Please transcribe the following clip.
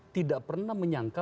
tidak pernah menyangka